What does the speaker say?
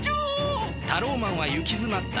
タローマンはゆきづまった。